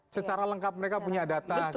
secara lengkap mereka punya data c satu